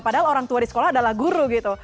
padahal orang tua di sekolah adalah guru gitu